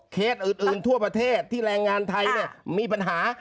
อื่นทั่วประเทศที่แรงงานไทยมีปัญหา